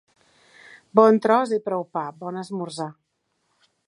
Bon tros i prou pa, bon esmorzar.